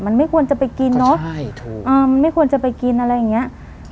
มันไม่ควรจะไปกินเนอะมันไม่ควรจะไปกินอะไรอย่างเงี้ย